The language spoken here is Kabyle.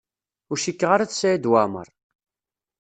Ur cikkeɣ ara d Saɛid Waɛmaṛ.